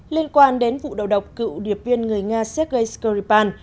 liên quan đến vụ đầu độc cựu điệp viên người nga sergei skripal